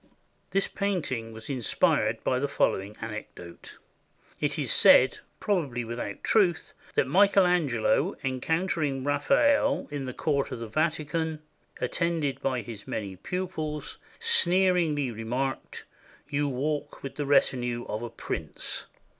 This painting was inspired by the following anecdote. It is said, probably without truth, that Michael Angelo, en countering Raphael in the court of the Vatican, attended by his many pupils, sneeringly remarked, "You walk with the retinue of a prince."